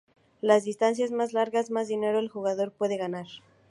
La distancia más larga, más dinero el jugador puede ganar.